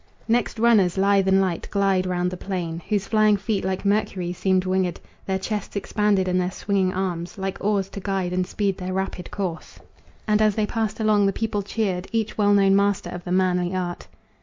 Next runners, lithe and light, glide round the plain, Whose flying feet like Mercury's seemed winged, Their chests expanded, and their swinging arms Like oars to guide and speed their rapid course; And as they passed along the people cheered Each well known master of the manly art.